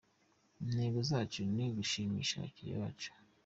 Intego yacu ni ugushimisha abakiliya bacu.